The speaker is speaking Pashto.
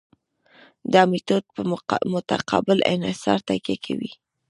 دا میتود په متقابل انحصار تکیه کوي